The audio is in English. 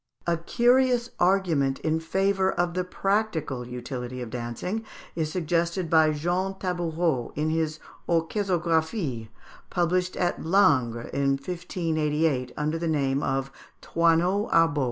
A curious argument in favour of the practical utility of dancing is suggested by Jean Tabourot in his "Orchésographie," published at Langres in 1588, under the name of Thoinot Arbeau.